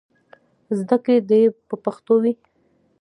زدهکړې دې په پښتو وي.